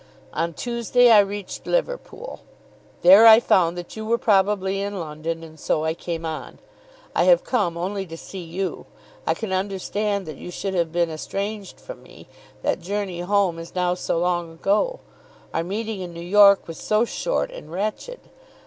On Tuesday I reached Liverpool. There I found that you were probably in London, and so I came on. I have come only to see you. I can understand that you should have been estranged from me. That journey home is now so long ago! Our meeting in New York was so short and wretched.